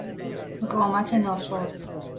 قامت ناساز